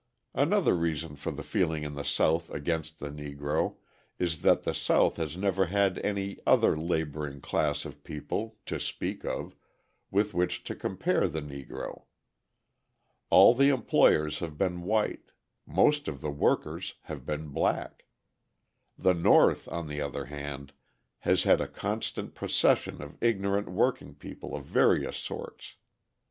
Another reason for the feeling in the South against the Negro is that the South has never had any other labouring class of people (to speak of) with which to compare the Negro. All the employers have been white; most of the workers have been black. The North, on the other hand, has had a constant procession of ignorant working people of various sorts.